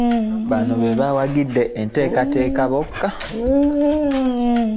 Bano be bawagidde enteekateeka bokka